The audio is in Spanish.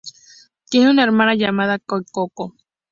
Tiene una hermana llamada Cathy Coco.